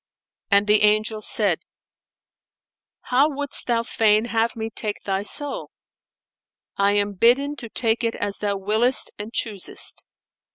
And the Angel said "How wouldst thou fain have me take thy soul? I am bidden to take it as thou willest and choosest."